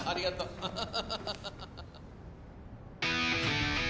ハハハハ。